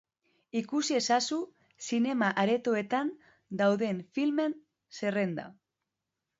Ikusi ezazu zinema-aretoetan dauden filmen zerrenda.